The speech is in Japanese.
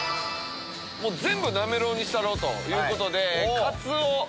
もう全部なめろうにしたろということで。